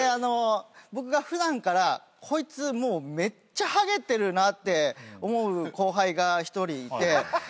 僕が普段からこいつめっちゃハゲてるなって思う後輩が一人いて。